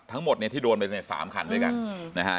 ทั้งหมดที่โดนไปในสามคันด้วยกัน